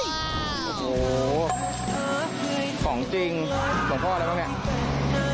โอ้โหของจริงหลวงพ่ออะไรบ้างเนี่ย